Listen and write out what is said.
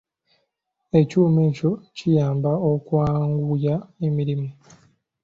Ekyuma ekyo kiyamba okwanguya emirimu.